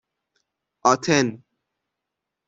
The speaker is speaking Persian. آتن